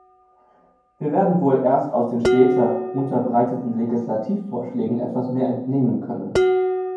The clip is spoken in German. Wir werden wohl erst aus den später unterbreiteten Legislativvorschlägen etwas mehr entnehmen können.